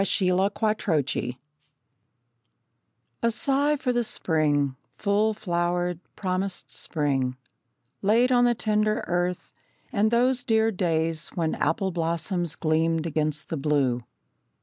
The Year of My Heart A sigh for the spring, full flowered, promised spring, Laid on the tender earth, and those dear days When apple blossoms gleamed against the blue!